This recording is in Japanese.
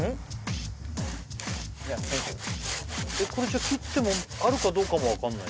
これじゃ切ってもあるかどうかも分かんない？